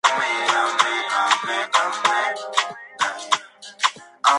Lo persiguieron por tres días hasta lograr su captura.